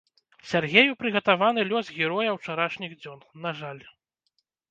Сяргею прыгатаваны лёс героя ўчарашніх дзён, на жаль.